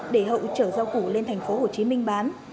để hậu trở giao củ lên thành phố hồ chí minh bán